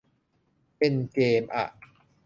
เป็นเกมอ่ะ